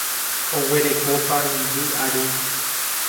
Oguereko parundy ary.